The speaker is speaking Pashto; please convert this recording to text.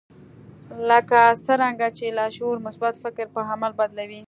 لکه څرنګه چې لاشعور مثبت فکر پر عمل بدلوي.